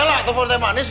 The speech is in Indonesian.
yalah telepon teh manis